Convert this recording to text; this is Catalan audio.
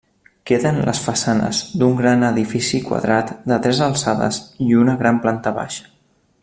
Queden les façanes d'un gran edifici quadrat de tres alçades i una gran planta baixa.